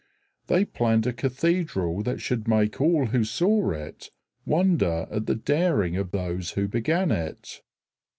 They planned a cathedral that should make all who saw it wonder at the daring of those who began it.